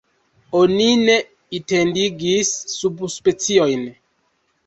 Oni ne identigis subspeciojn.